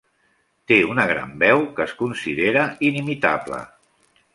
Té una gran veu que es considera inimitable.